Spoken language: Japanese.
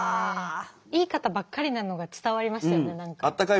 いい方ばっかりなのが伝わりましたよね何か。